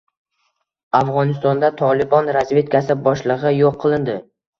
Afg‘onistonda “Tolibon” razvedkasi boshlig‘i yo‘q qilindi